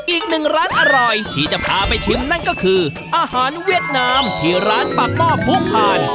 อีกหนึ่งร้านอร่อยที่จะพาไปชิมนั่นก็คืออาหารเวียดนามที่ร้านปากหม้อผู้ผ่าน